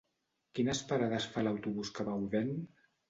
Quines parades fa l'autobús que va a Odèn?